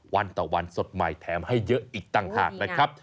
วันต่อวันสดใหม่แถมให้เยอะอีกต่างหากนะครับ